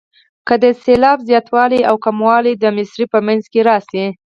که د سېلاب زیاتوالی او کموالی د مصرع په منځ کې راشي.